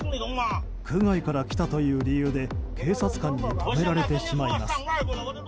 区外から来たという理由で警察官に止められてしまいます。